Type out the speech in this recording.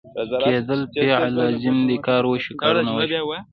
کېدل فعل لازم دی کار وشو ، کارونه وشول